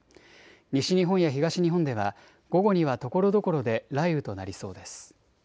西日本や東日本では午後にはところどころで雷雨となりそうです。